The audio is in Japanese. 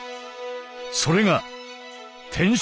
それが天真